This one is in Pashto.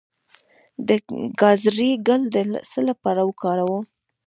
د ګازرې ګل د څه لپاره وکاروم؟